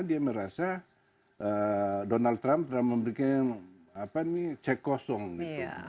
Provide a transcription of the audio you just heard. dia merasa donald trump telah memberikan cek kosong gitu